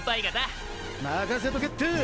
任せとけって！